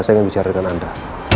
saya ingin bicara dengan anda